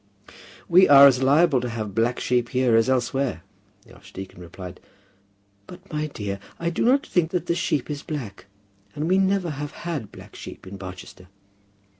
"We are as liable to have black sheep here as elsewhere," the archdeacon replied. "But, my dear, I do not think that the sheep is black; and we never have had black sheep in Barchester."